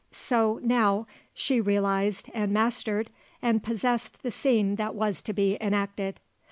So, now, she realized and mastered and possessed the scene that was to be enacted.